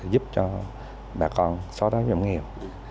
giúp cho bà con so đáng nhận nghiệp